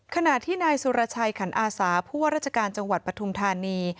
ขณะที่นายสุรชัยขันอาสาผู้ว่าราชการจังหวัดปฐุมธานี